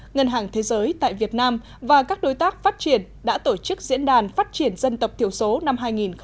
ngân hàng thế giới tại việt nam và các đối tác phát triển đã tổ chức diễn đàn phát triển dân tộc thiểu số năm hai nghìn một mươi chín